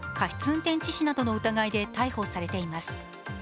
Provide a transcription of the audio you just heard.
運転致死などの疑いで逮捕されています。